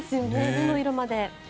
目の色まで。